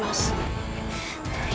ibu nda ratu subang lara